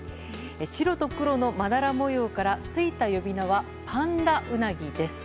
白と黒のまだら模様からついた呼び名はパンダウナギです。